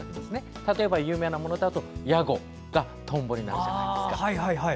例えば有名なものだとヤゴがトンボになるじゃないですか。